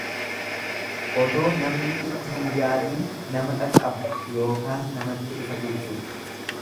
Otoo namni itti hin yaadiin nama qaqqaba yookaan namatti dhufa jechuudha.